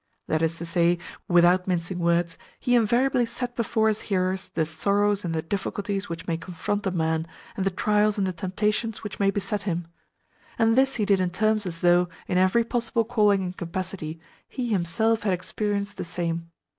That is to say, without mincing words, he invariably set before his hearers the sorrows and the difficulties which may confront a man, the trials and the temptations which may beset him. And this he did in terms as though, in every possible calling and capacity, he himself had experienced the same.